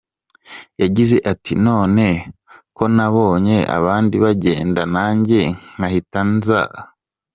Yagize ati“ None ko nabonye abandi bagenda nanjye nkahita nza.